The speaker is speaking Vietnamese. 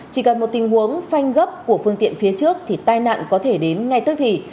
chỉ cần một tình huống phanh gấp của phương tiện phía trước thì tai nạn có thể đến ngay tức thì